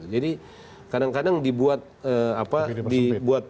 jadi kadang kadang dibuat